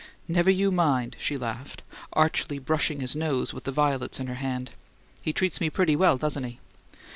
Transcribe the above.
"Never you mind!" she laughed, archly brushing his nose with the violets in her hand. "He treats me pretty well, doesn't he?"